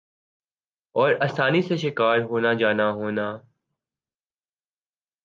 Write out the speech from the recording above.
اور آسانی سے شکار ہونا جانا ہونا ۔